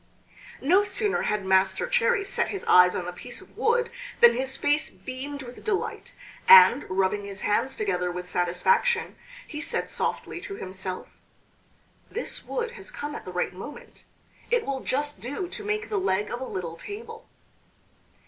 No sooner had Master Cherry set his eyes on the piece of wood than his face beamed with delight; and, rubbing his hands together with satisfaction, he said softly to himself: "This wood has come at the right moment; it will just do to make the leg of a little table."